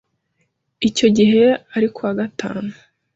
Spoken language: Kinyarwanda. icyo gihe ari ku wa gatanu.